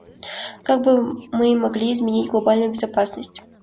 Как бы мы могли изменить глобальную безопасность?